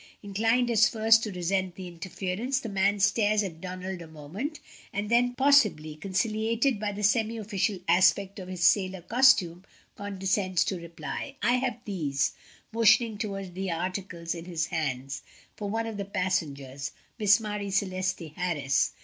Inclined at first to resent the interference, the man stares at Donald a moment, and then, possibly conciliated by the semi official aspect of his sailor costume, condescends to reply: "I have these," motioning toward the articles in his hands, "for one of the passengers Miss Marie Celeste Harris."